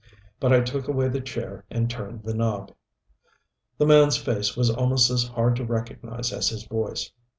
But I took away the chair and turned the knob. The man's face was almost as hard to recognize as his voice.